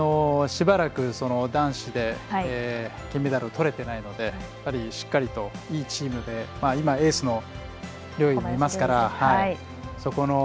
しばらく男子で金メダルをとれていないのでしっかりといいチームで今エースの陵侑もいますから。